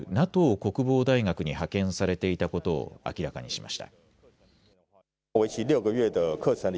国防大学に派遣されていたことを明らかにしました。